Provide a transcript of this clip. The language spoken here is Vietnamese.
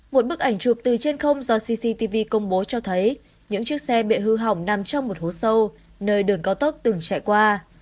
một bức ảnh chụp từ trên không do cctv công bố cho thấy những chiếc xe bị hư hỏng nằm trong một hố sâu nơi đường cao tốc từng chạy qua